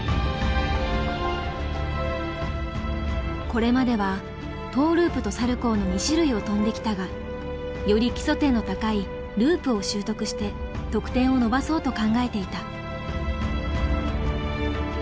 これまではトーループとサルコーの２種類を跳んできたがより基礎点の高いループを習得して得点を伸ばそうと考えていた。